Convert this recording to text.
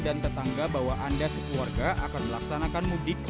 dan tetangga bahwa anda sekeluarga akan melaksanakan mudik